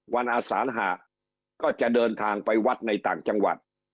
วันอาสานหะก็จะเดินทางไปวัดในต่างจังหวัด